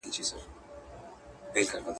خونه له شنو لوګیو ډکه ډېوه نه بلیږي.